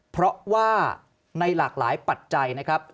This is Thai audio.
เพราะว่าในหลากหลายปัจจัยนะครับ